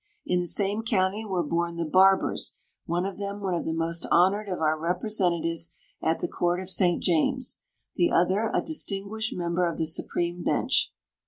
In the same county were born the Bar bours, one of them one of the most honored of our representatives at the Court of St. James, the other a distinguished member of the Supreme Bench.